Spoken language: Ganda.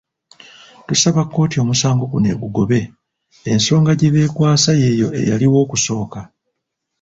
Tusaba kkooti omusango guno egugobe, ensonga gye beekwasa yeeyo eyaliwo okusooka.